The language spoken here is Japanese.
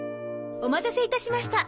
お待たせいたしました。